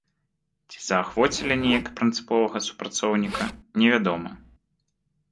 Ці заахвоцілі неяк прынцыповага супрацоўніка, не вядома.